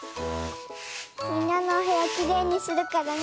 みんなのおへやきれいにするからね。